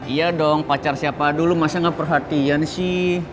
iya dong pacar siapa dulu masa gak perhatian sih